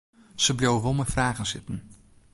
Se bliuwe wol mei fragen sitten.